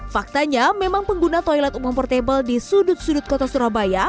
faktanya memang pengguna toilet umum portable di sudut sudut kota surabaya